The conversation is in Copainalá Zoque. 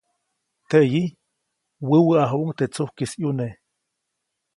Teʼyi, wäwäʼajuŋ teʼ tsujkis ʼyune.